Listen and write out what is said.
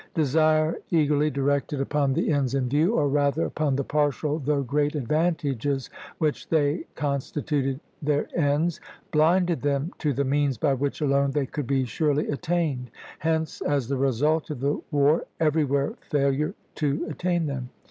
Desire eagerly directed upon the ends in view or rather upon the partial, though great, advantages which they constituted their ends blinded them to the means by which alone they could be surely attained; hence, as the result of the war, everywhere failure to attain them.